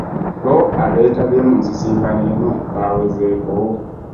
Bo abeetabye mu nsisinkano eno baawezeeko.